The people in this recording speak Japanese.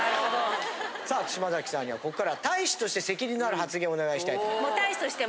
さあ島崎さんにはこっからは大使として責任のある発言をお願いしたいと思います。